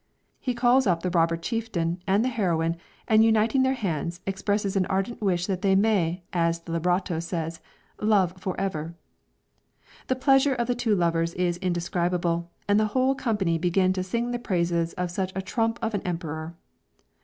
He calls up the robber chieftain and the heroine, and uniting their hands, expresses an ardent wish that they may, as the libretto says, "love forever." The pleasure of the two lovers is indescribable, and the whole company begin to sing the praises of such a trump of an emperor.